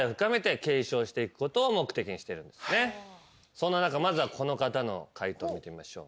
そんな中まずはこの方の解答を見てみましょう。